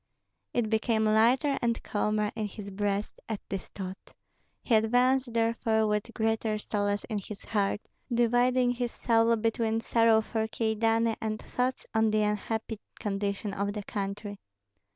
It became lighter and calmer in his breast at this thought; he advanced therefore with greater solace in his heart, dividing his soul between sorrow for Kyedani and thoughts on the unhappy condition of the country.